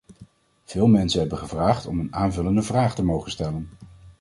Veel mensen hebben gevraagd om een aanvullende vraag te mogen stellen.